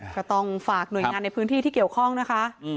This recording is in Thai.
ก็ต้องฝากหน่วยงานในพื้นที่ที่เกี่ยวข้องนะคะ